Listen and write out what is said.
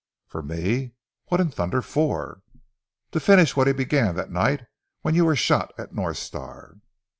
"For me! What in thunder for?" "To finish what he began that night when you were shot at North Star!"